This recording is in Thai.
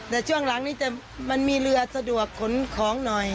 แต่ช่วงหลังนี้มันมีเรือสะดวกขนของหน่อย